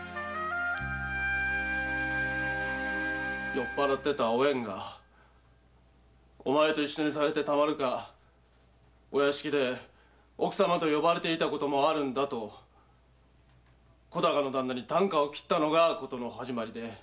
酔っぱらってたおえんが「お前と一緒にされてたまるかお屋敷で奥様と呼ばれていたこともあるんだ」と小高の旦那に啖呵を切ったのがことの始まりで。